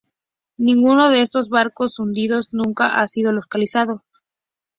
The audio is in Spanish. Ninguno de estos barcos hundidos nunca ha sido localizados.